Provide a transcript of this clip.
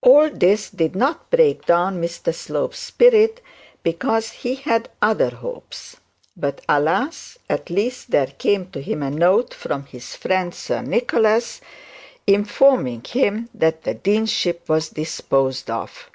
All this did not break Mr Slope's spirit, because he had other hopes. But, alas, at last there came to him a note from his friend Sir Nicholas, informing him that the deanship was disposed of.